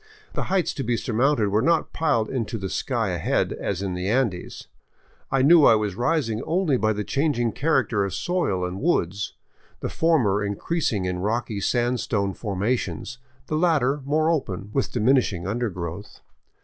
The heights to be sur mounted were not piled into the sky ahead, as in the Andes. I knew 593 VAGABONDING DOWN THE ANDES I was rising only by the changing character of soil and woods, the former increasing in rocky sandstone formations, the latter more open, with diminishing undergrowth.